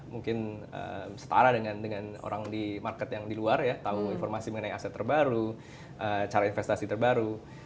mungkin setara dengan orang di market yang di luar ya tahu informasi mengenai aset terbaru cara investasi terbaru